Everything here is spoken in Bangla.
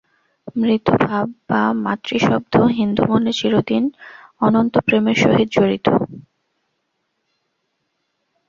মাতৃ-ভাব এবং মাতৃ-শব্দ হিন্দু-মনে চিরদিন অনন্ত প্রেমের সহিত জড়িত।